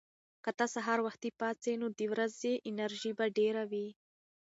که ته سهار وختي پاڅې، نو د ورځې انرژي به ډېره وي.